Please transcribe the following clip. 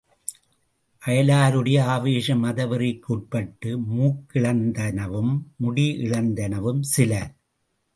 அயலாருடைய ஆவேச மதவெறிக்கு உட்பட்டு மூக்கிழந்தனவும், முடி இழந்தனவும் சில.